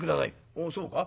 「おおそうか。